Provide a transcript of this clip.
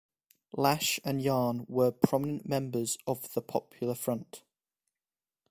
Lash and Yard were prominent members of the Popular Front.